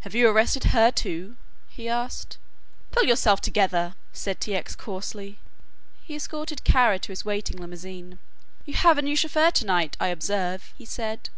"Have you arrested her, too?" he asked. "Pull yourself together!" said T. X. coarsely. He escorted Kara to his waiting limousine. "You have a new chauffeur to night, I observe," he said.